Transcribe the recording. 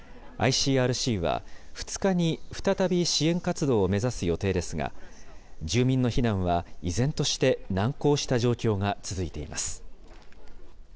ＩＣＲＣは、２日に再び支援活動を目指す予定ですが、住民の避難は依然として難航した状況が続いています。